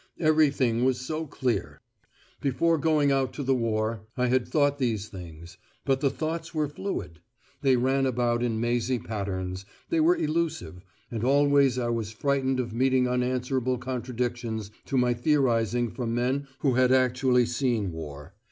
Everything was so clear. Before going out to the war I had thought these things; but the thoughts were fluid, they ran about in mazy patterns, they were elusive, and always I was frightened of meeting unanswerable contradictions to my theorising from men who had actually seen war.